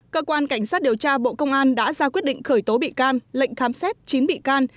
cơ quan cảnh sát điều tra bộ công an đã ra quyết định khởi tố bị can lệnh khám xét chín bị can